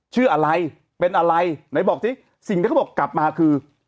ชื่ออะไรเป็นอะไรไหนบอกสิสิ่งที่เขาบอกกลับมาคือ